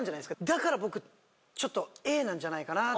だから僕Ａなんじゃないかな。